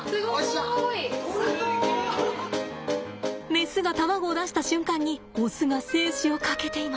メスが卵を出した瞬間にオスが精子をかけています。